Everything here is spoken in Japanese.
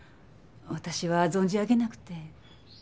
私は存じ上げなくて。